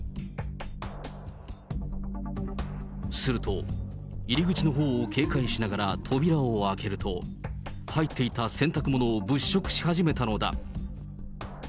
すると、入り口のほうを警戒しながら扉を開けると、入っていた洗濯物を物色し始めたのだ。